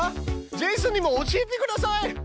ジェイソンにも教えてください！